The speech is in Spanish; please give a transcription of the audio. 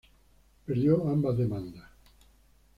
Perdió ambas demandas.